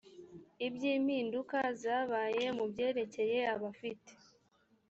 iby impinduka zibaye mu byerekeye abafite